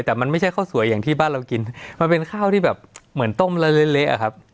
แต่มันไม่ใช่ข้าวสวยอย่างที่บ้านเรากินมันเป็นข้าวที่แบบเหมือนต้มละเละอะครับ